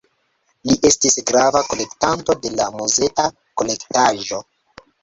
Li estis grava kolektanto de la muzea kolektaĵo.